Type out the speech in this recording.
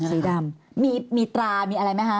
สีดำมีตรามีอะไรไหมคะ